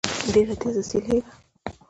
ډېره تېزه سيلۍ وه